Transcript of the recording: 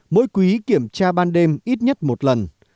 mỗi quý kiểm tra ban đêm ít nhất một lần